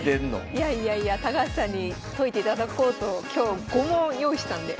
いやいやいや高橋さんに解いていただこうと今日５問用意したんで。